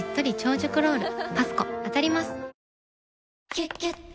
「キュキュット」